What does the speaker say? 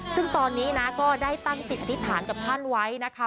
ซึ่งตอนนี้นะก็ได้ตั้งจิตอธิษฐานกับท่านไว้นะคะ